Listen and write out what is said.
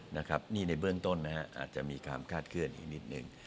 นะครับนี่ในเบื้องต้นนะครับอาจจะมีความคาดเคลื่อนอีกนิดนึง